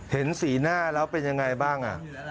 เห็นสีหน้าแล้วเป็นยังไงบ้าง